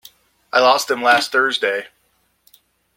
I lost them last Thursday.